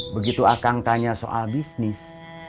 begitu akan tanya soal bisnis